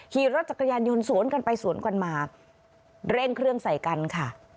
ขี่รถจักรยานยนต์สวนกันไปสวนกันมาเร่งเครื่องใส่กันค่ะ